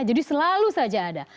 jadi selalu saja ada